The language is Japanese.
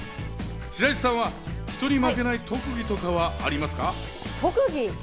白石さんは人に負けない特技とかはありますか？